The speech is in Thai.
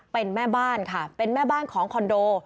เป็นแม่บ้านค่ะเป็นแม่บ้านของคอนโด